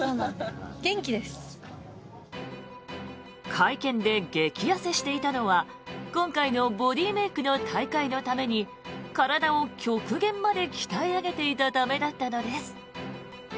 会見で激痩せしていたのは今回のボディーメイクの大会のために体を極限まで鍛え上げていたためだったのです。